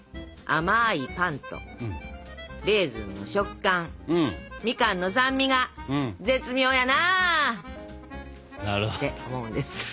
「甘いパンとレーズンの食感みかんの酸味が絶妙やなあ！」って思うんですって。